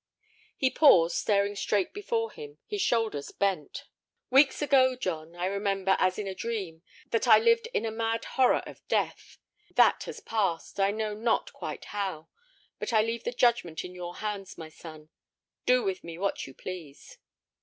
He paused, staring straight before him, his shoulders bent. "Weeks ago, John, I remember, as in a dream, that I lived in a mad horror of death. That has passed, I know not quite how. But I leave the judgment in your hands, my son. Do with me what you please."